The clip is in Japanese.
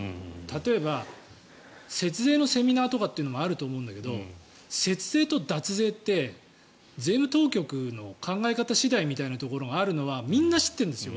例えば、節税のセミナーとかあると思うんだけど節税と脱税って税務当局の考え方次第みたいなところがあるのはみんな知ってるんですよ。